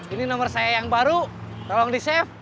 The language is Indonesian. ini nomor saya yang baru tolong di chef